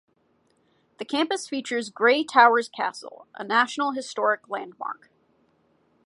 The campus features Grey Towers Castle, a National Historic Landmark.